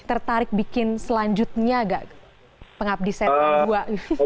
tertarik bikin selanjutnya gak pengabdi setan dua